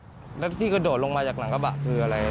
ถ้าหลบรถก็แล้วที่กระโดดลงมาจากหลังกระบะคืออะไร